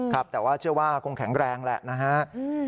ครับแต่ว่าเชื่อว่าคงแข็งแรงแหละนะฮะ